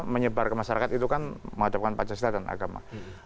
menyebar ke masyarakat itu kan menghadapkan pancasila dan agama